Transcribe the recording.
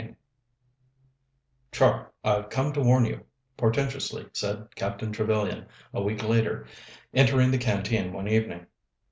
XIII "Char, I've come to warn you," portentously said Captain Trevellyan a week later, entering the Canteen one evening.